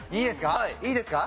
いいですか？